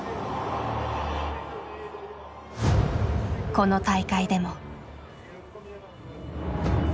この大会でも。